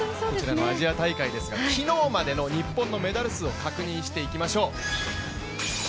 アジア大会ですが、昨日までの日本のメダル数確認していきましょう。